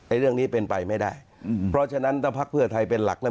เรื่องนี้เป็นไปไม่ได้อืมเพราะฉะนั้นถ้าพักเพื่อไทยเป็นหลักเนี่ย